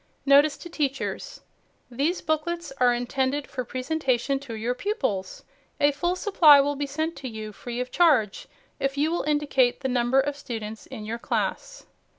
NOTICE TO TEACHERS These booklets are intended for presentation to your pupils. A full supply will be sent to you, free of charge, if you will indicate the number of students in your class.